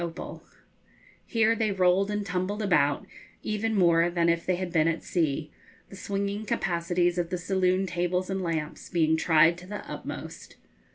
M.S. 'Opal.' Here they rolled and tumbled about even more than if they had been at sea, the swinging capacities of the saloon tables and lamps being tried to the utmost.